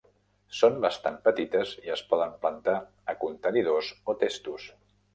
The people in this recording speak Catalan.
Són bastant petites i es poden plantar a contenidors o testos.